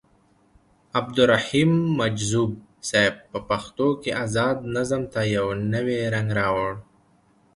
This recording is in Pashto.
عبدالرحيم مجذوب صيب په پښتو کې ازاد نظم ته يو نوې رنګ راوړو.